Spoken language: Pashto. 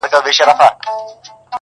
په ګوزار یې د مرغه زړګی خبر کړ؛